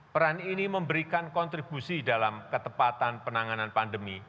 peran ini memberikan kontribusi dalam ketepatan penanganan pandemi